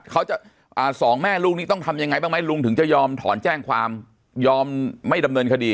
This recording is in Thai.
สองแม่ลูกนี้ต้องทำยังไงบ้างไหมลุงถึงจะยอมถอนแจ้งความยอมไม่ดำเนินคดี